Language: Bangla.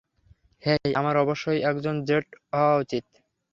হেই, আমার অবশ্যই একজন জেট হওয়া উচিত।